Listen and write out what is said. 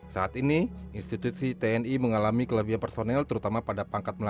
saat ini institusi tni mengalami kelebihan personel terkait perwira tinggi bintang satu yang tidak kebagian jabatan